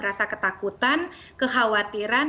rasa ketakutan kekhawatiran